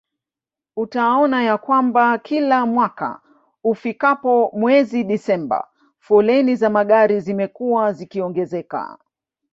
Utaona ya kwamba kila mwaka ufikapo mwezi Desemba foleni za magari zimekuwa zikiongezeka